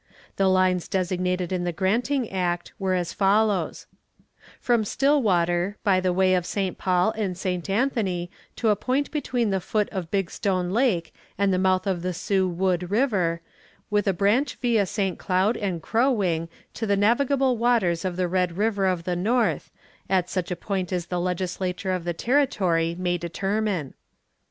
The lines designated in the granting act were as follows: From Stillwater, by the way of St. Paul and St. Anthony to a point between the foot of Big Stone lake and the mouth of the Sioux Wood river, with a branch via St. Cloud and Crow Wing to the navigable waters of the Red River of the North, at such point as the legislature of the territory may determine.